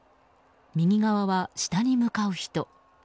右側は下に向かう人。